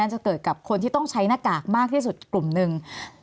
จะเกิดกับคนที่ต้องใช้หน้ากากมากที่สุดกลุ่มหนึ่ง